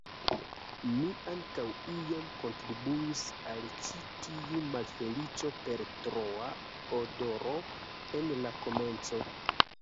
Mi ankaŭ iom kontribuis al ĉi tiu malfeliĉo per troa adoro en la komenco.